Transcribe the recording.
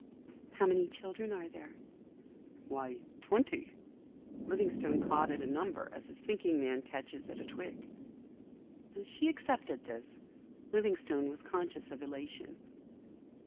"How many children are there?" "Why—twenty." Livingston caught at a number, as a sinking man catches at a twig. As she accepted this, Livingstone was conscious of elation.